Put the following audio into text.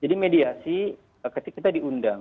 jadi mediasi ketika kita diundang